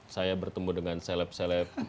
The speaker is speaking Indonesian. saya bertemu dengan seleb seleb